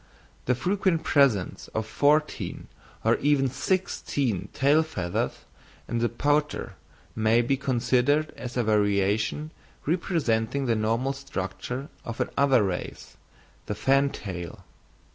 The frequent presence of fourteen or even sixteen tail feathers in the pouter may be considered as a variation representing the normal structure of another race, the fantail.